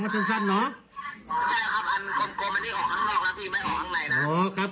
โพพึ่งไหนสั้นสั้นนั่น